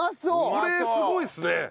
これすごいですね。